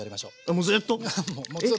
もうずっと。